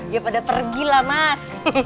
ya pada pergi lah mas